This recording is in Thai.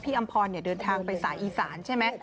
อำพรเดินทางไปสายอีสานใช่ไหม